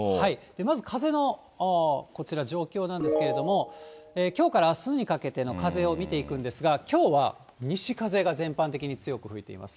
まず風のこちら、状況なんですけれども、きょうからあすにかけての風を見ていくんですが、きょうは西風が全般的に強く吹いています。